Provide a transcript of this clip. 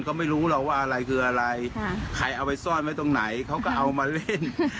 ก็ไม่รู้หรอกว่าอะไรคืออะไรใครเอาไปซ่อนไว้ตรงไหนเขาก็เอามาเล่น